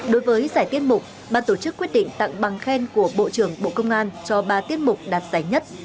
đối với giải tiết mục ban tổ chức quyết định tặng bằng khen của bộ trưởng bộ công an cho ba tiết mục đạt giải nhất